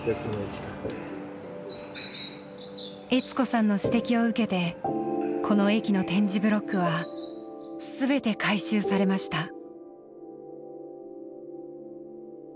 悦子さんの指摘を受けてこの駅の点字ブロックは全て改修されました。